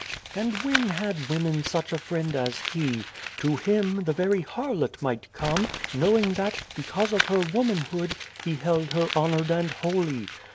" And when had woman such a friend as He ? To Him the very harlot might come, knowing that, because of her womanhood, He held her honoured and holy.